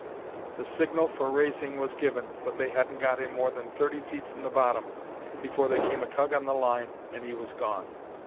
The signal for raising was given, but they hadn't got him more than thirty feet from the bottom before there came a tug on the line and he was gone!